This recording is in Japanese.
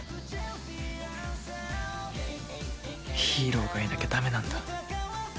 ヒーローがいなきゃダメなんだ。